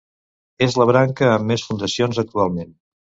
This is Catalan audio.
És la branca amb més fundacions actualment.